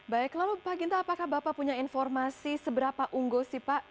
baik lalu pak ginta apakah bapak punya informasi seberapa unggul sih pak